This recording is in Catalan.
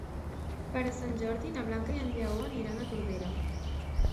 Per Sant Jordi na Blanca i en Lleó aniran a Tordera.